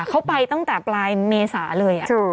เขาไปตั้งแต่ปลายเมษาเลย